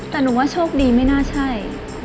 แต่หนูว่าโชคดีไม่น่าใช่